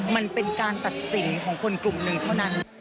มันเป็นการตัดสินของคนกลุ่มหนึ่งเท่านั้น